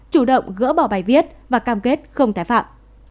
chủ động gỡ bỏ bài viết và cam kết không tái phạm